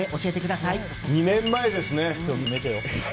２年前ですね。